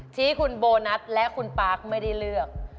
ที่คุณโบนัสและคุณปาร์คไม่ได้เลือก